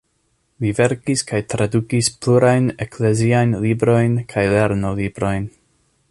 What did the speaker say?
Li verkis kaj tradukis plurajn ekleziajn librojn kaj lernolibrojn.